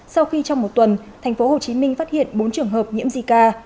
sau khi trong một tuần thành phố hồ chí minh phát hiện bốn trường hợp nhiễm zika